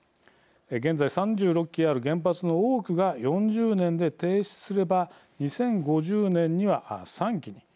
現在３６基ある原発の多くが４０年で停止すれば２０５０年には３基に。